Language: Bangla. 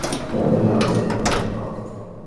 কারণ এখানে অক্সিজেনের মাত্রা কম।